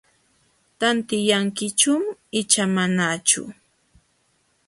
¿Tantiyankichum icha manachu?